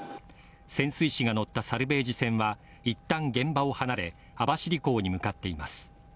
潜水士が乗ったサルベージ船は一旦、現場を離れ網走港に向かっています。